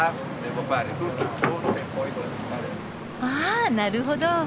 ああなるほど。